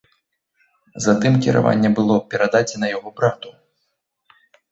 Затым кіраванне было перададзена яго брату.